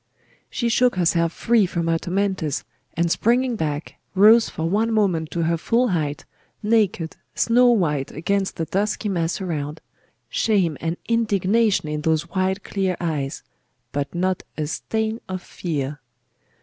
She shook herself free from her tormentors, and springing back, rose for one moment to her full height, naked, snow white against the dusky mass around shame and indignation in those wide clear eyes, but not a stain of fear.